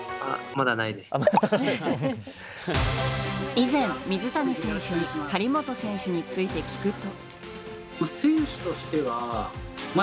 以前、水谷選手に張本選手について聞くと。